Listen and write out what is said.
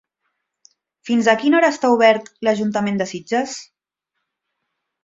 Fins a quina hora està obert l'Ajuntament de Sitges?